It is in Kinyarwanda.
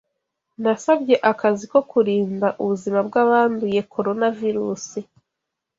Nasabye akazi ko kurinda ubuzima bw’abanduye Coronavirusi.